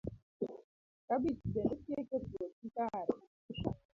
kabich bende chiek e puothu kare